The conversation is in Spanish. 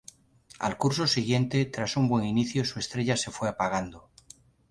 Al curso siguiente, tras un buen inicio, su estrella se fue apagando.